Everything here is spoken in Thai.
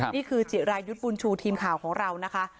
นี่คือจิรายุทธ์บุญชูทีมข่าวของเรานะคะ